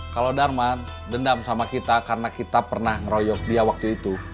kalau darman dendam sama kita karena kita pernah ngeroyok dia waktu itu